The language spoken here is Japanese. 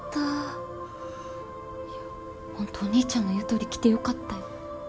いやホントお兄ちゃんの言うとおり来てよかったよ。